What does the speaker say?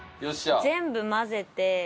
全部混ぜて。